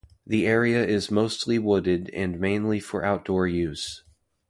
The area is mostly wooded and mainly for outdoor use.